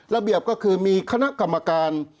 ระเบียบก็คือมีคณะกรรมการ